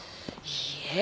いいえ。